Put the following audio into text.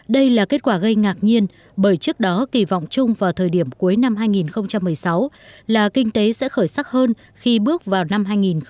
đây là kết quả gây ngạc nhiên bởi trước đó kỳ vọng chung vào thời điểm cuối năm hai nghìn một mươi sáu là kinh tế sẽ khởi sắc hơn khi bước vào năm hai nghìn một mươi tám